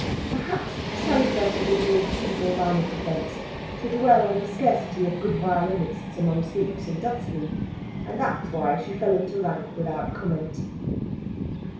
Perhaps Sally felt it would be a feeble line of defence to dwell on the scarcity of good violinists among sweeps and dustmen, and that was why she fell into rank without comment.